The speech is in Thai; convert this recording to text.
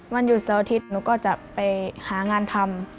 วันหยุดเสาร์อาทิตย์หนูก็จะไปหางานทำ